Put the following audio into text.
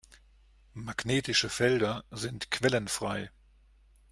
Magnetische Felder sind quellenfrei.